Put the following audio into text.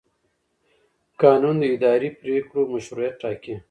قانون د اداري پرېکړو مشروعیت ټاکي.